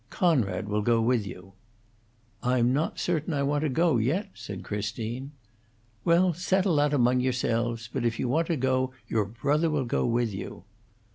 Conrad will go with you." "I'm not certain I want to go, yet," said Christine. "Well, settle that among yourselves. But if you want to go, your brother will go with you."